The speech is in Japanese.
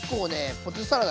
ポテトサラダ